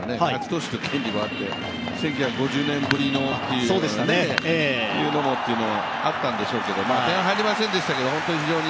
投手の権利も入るし１９５０年ぶりというのもあったんでしょうけれども、点は入りませんでしたけれどもね。